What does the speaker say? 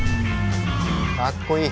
かっこいい。